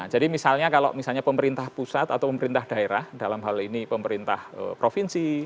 jadi misalnya kalau misalnya pemerintah pusat atau pemerintah daerah dalam hal ini pemerintah provinsi